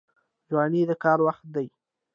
ځواني د کار وخت دی